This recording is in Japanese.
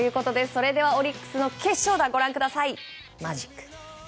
それではオリックスの決勝打ご覧ください。